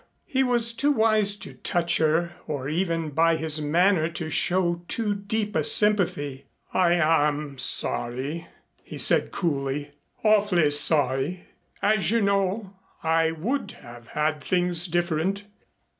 He was too wise to touch her or even by his manner to show too deep a sympathy. "I am sorry," he said coolly, "awfully sorry. As you know, I would have had things different.